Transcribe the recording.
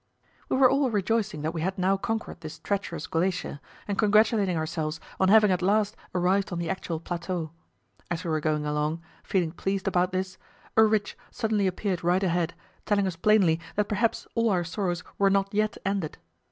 We were all rejoicing that we had now conquered this treacherous glacier, and congratulating ourselves on having at last arrived on the actual plateau. As we were going along, feeling pleased about this, a ridge suddenly appeared right ahead, telling us plainly that perhaps all our sorrows were not yet ended.